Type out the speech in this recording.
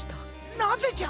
なぜじゃ？